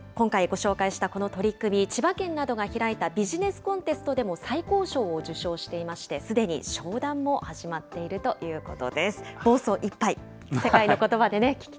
今回、ご紹介したこの取り組み、千葉県などが開いたビジネスコンテストでも、最高賞を受賞していまして、すでに商談も始まっているということです。